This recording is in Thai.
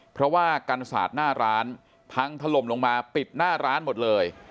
เพราะว่ากันศาสตร์หน้าร้านพังถล่มลงมาปิดหน้าร้านหมดเลย